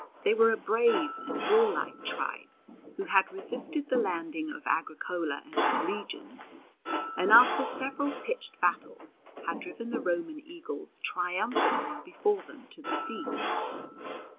They were a brave and warlike tribe, who had resisted the landing of Agricola and his legions, and after several pitched battles had driven the Roman eagles triumphantly before them to the sea.